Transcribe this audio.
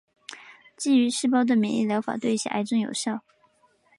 基于细胞的免疫疗法对一些癌症有效。